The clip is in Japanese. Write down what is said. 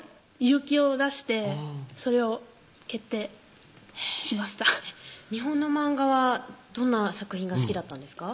勇気を出してそれを決定しました日本の漫画はどんな作品が好きだったんですか？